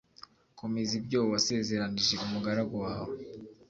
komeza ibyo wasezeranije umugaragu wawe